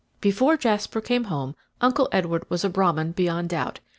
Before Jasper came home Uncle Edward was a Brahmin beyond doubt.